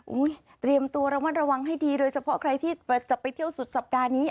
เตรียมตัวระมัดระวังให้ดีโดยเฉพาะใครที่จะไปเที่ยวสุดสัปดาห์นี้